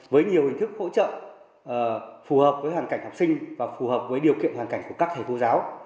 với nhiều hình thức hỗ trợ phù hợp với hoàn cảnh học sinh và phù hợp với điều kiện hoàn cảnh của các thầy cô giáo